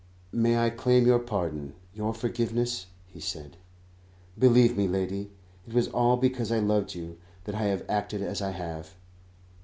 "May I claim your pardon, your forgiveness?" he said. "Believe me, lady, it was all because I loved you that I have acted as I have.